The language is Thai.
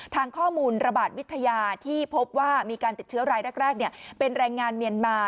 ทางข้อมูลระบาดวิทยาที่พบว่ามีการติดเชื้อรายแรกเป็นแรงงานเมียนมา